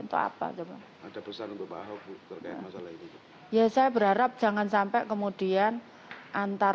untuk apa coba ada pesan untuk pak ahok terkait masalah ini ya saya berharap jangan sampai kemudian antar